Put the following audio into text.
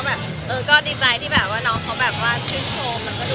มันก็ดีใจที่เขาน้องขับว่ามึงชื่อโชว์มันก็ดูบานเลน่ด้วย